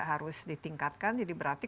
harus ditingkatkan jadi berarti